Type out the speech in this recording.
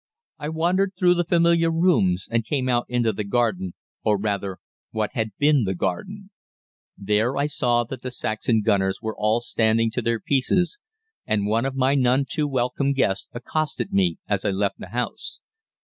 I wandered through the familiar rooms, and came out into the garden, or rather, what had been the garden. There I saw that the Saxon gunners were all standing to their pieces, and one of my none too welcome guests accosted me as I left the house.